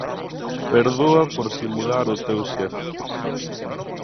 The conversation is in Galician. Perdoa por simular ao teu xefe.